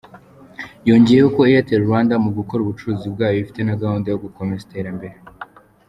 Yongeyeho ko Airtel Rwanda mu gukora ubucuruzi bwayo ifite na gahunda zo gukomeza iterambere.